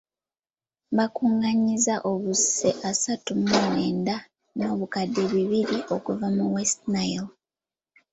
Baakungaanyizza obuse asatu mu mwenda n'obukadde bibiri okuva mu West Nile.